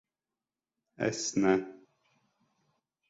Es ne...